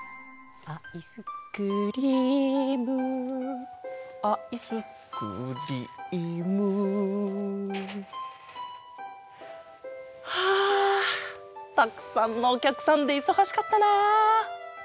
「アイスクリームアイスクリーム」はあたくさんのおきゃくさんでいそがしかったな。